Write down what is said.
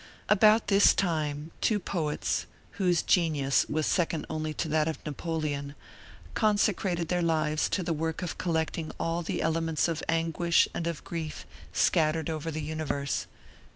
About this time two poets, whose genius was second only to that of Napoleon, consecrated their lives to the work of collecting all the elements of anguish and of grief scattered over the universe.